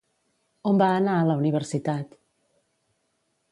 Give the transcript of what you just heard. On va anar a la universitat?